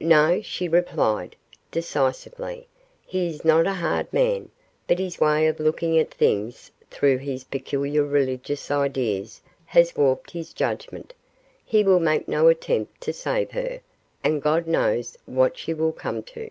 'No,' she replied, decisively, 'he is not a hard man, but his way of looking at things through his peculiar religious ideas has warped his judgment he will make no attempt to save her, and God knows what she will come to.